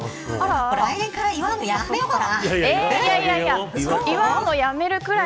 来年から祝うの、やめようかな。